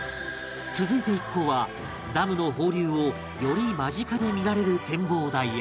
続いて一行はダムの放流をより間近で見られる展望台へ